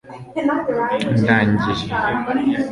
ndangije